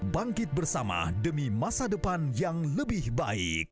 bangkit bersama demi masa depan yang lebih baik